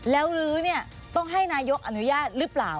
แล้วลื้อเนี่ยต้องให้นายกอนุญาตหรือเปล่า